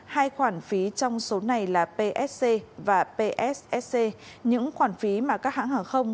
hai khoản phí trong số này là psc và pss những khoản phí mà các hãng hàng không